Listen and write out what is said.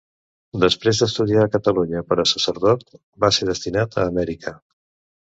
Després d'estudiar a Catalunya per a sacerdot va ser destinat a Amèrica.